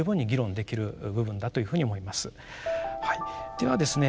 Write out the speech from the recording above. ではですね